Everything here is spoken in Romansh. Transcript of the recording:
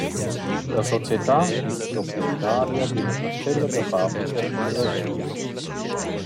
La società es proprietaria d’üna parcella da fabrica in Rachögna.